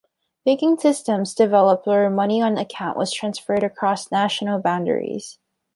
Banking systems developed where money on account was transferred across national boundaries.